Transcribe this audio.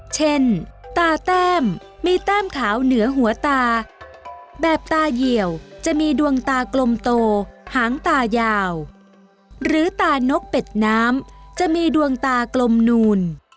เช่นตาแต้มมีแต้มขาวเหนือหัวตาแบบตาเหี่ยวจะมีดวงตากลมโตหางตายาวหรือตานกเป็ดน้ำจะมีดวงตากลมนูน